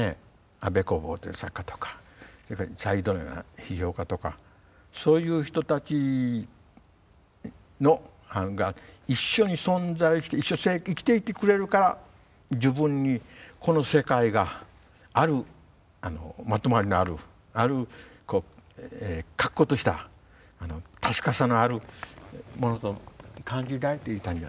安部公房という作家とかそれからサイードのような批評家とかそういう人たちが一緒に存在して一緒に生きていてくれるから自分にこの世界があるまとまりのあるある確固とした確かさのあるものと感じられていたんじゃないか。